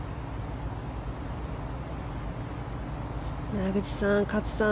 村口さん、勝さん